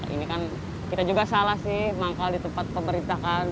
ini kan kita juga salah sih manggal di tempat pemerintah kan